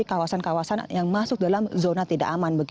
jadi kawasan kawasan yang masuk dalam zona tidak aman